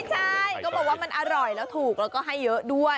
ใช่ก็บอกว่ามันอร่อยแล้วถูกแล้วก็ให้เยอะด้วย